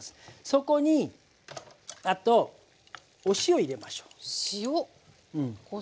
そこにあとお塩入れましょう。